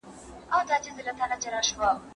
تاسو کله خپل مسواک بدلوئ؟